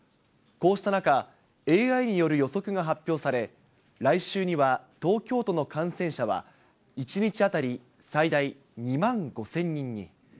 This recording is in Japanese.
こうした中、ＡＩによる予測が発表され、来週には東京都の感染者は、１日当たり最大２万５０００人に。